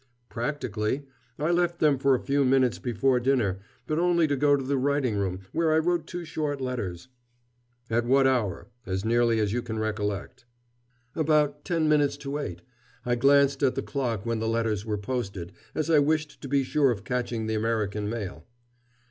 "Practically. I left them for a few minutes before dinner, but only to go to the writing room, where I wrote two short letters." "At what hour, as nearly as you can recollect?" "About ten minutes to eight. I glanced at the clock when the letters were posted, as I wished to be sure of catching the American mail."